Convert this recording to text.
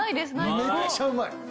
めっちゃうまい。